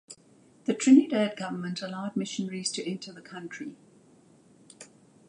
The Trinidad government allowed missionaries to enter the country.